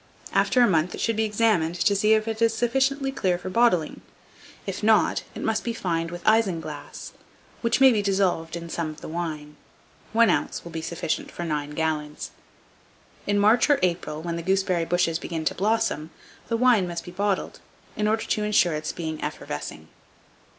After a month, it should be examined to see if it is sufficiently clear for bottling; if not, it must be fined with isinglass, which may be dissolved in some of the wine: 1 oz. will be sufficient for 9 gallons. In March or April, or when the gooseberry bushes begin to blossom, the wine must be bottled, in order to insure its being effervescing.